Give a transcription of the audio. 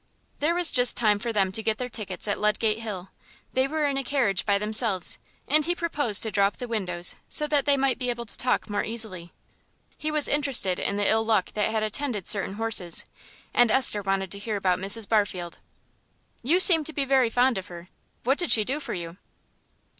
There was just time for them to get their tickets at Ludgate Hill. They were in a carriage by themselves, and he proposed to draw up the windows so that they might be able to talk more easily. He was interested in the ill luck that had attended certain horses, and Esther wanted to hear about Mrs. Barfield. "You seem to be very fond of her; what did she do for you?"